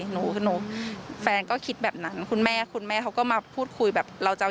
หนูก็คิดแบบนั้นคุณแม่คุณแม่ก็มาพูดคุยแบบเราจะเอา